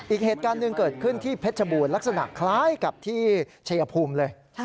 อีกเหตุการณ์หนึ่งเกิดขึ้นที่เพชรบูรณ์ลักษณะคล้ายกับที่ชัยภูมิเลย